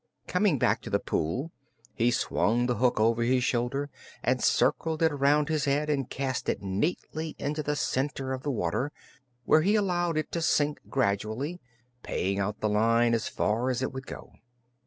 Coming back to the pool he swung the hook over his shoulder and circled it around his head and cast it nearly into the center of the water, where he allowed it to sink gradually, paying out the line as far as it would go.